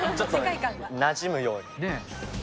なじむように。